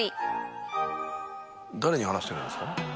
誰に話してるんですか？